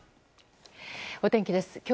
お天気です。